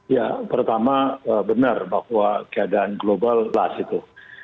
ya pertama benar bahwa keadaan global last itu